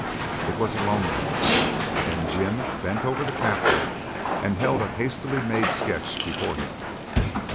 It was a lone one, and Jim bent over the captive and held a hastily made sketch before him.